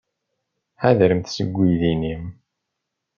Ḥadremt seg uydi-nni!